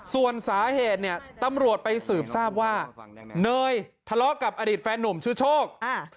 ส่วนสาเหตุเนี่ยตำรวจไปสืบทราบว่าเนยทะเลาะกับอดีตแฟนหนุ่มชื่อโชค